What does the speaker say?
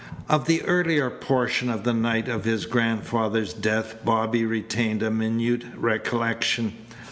Of the earlier portion of the night of his grandfather's death Bobby retained a minute recollection.